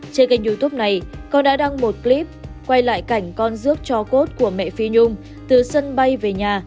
trên kênh youtube này con đã đăng một clip quay lại cảnh con rước cho cốt của mẹ phi nhung từ sân bay về nhà